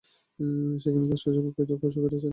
সেখানেই তার শৈশব ও কৈশোর কেটেছে।